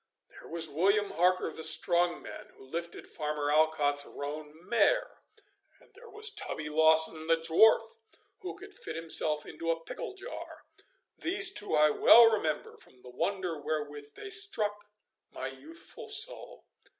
There was William Harker the strong man, who lifted Farmer Alcott's roan mare; and there was Tubby Lawson the dwarf, who could fit himself into a pickle jar these two I well remember from the wonder wherewith they struck my youthful soul.